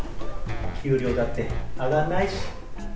給料だって上がんないし。